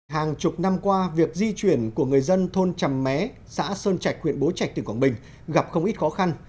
hàng chục năm qua việc di chuyển của người dân thôn trầm mé xã sơn trạch huyện bố trạch tỉnh quảng bình gặp không ít khó khăn